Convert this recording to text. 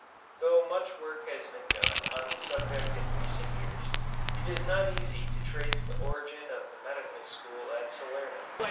Though much work has been done on the subject in recent years, it is not easy to trace the origin of the medical school at Salerno.